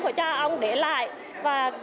của cha ông để lại và à à em ạ